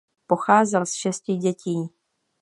Pocházel z šesti dětí.